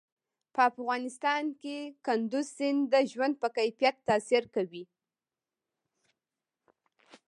په افغانستان کې کندز سیند د ژوند په کیفیت تاثیر کوي.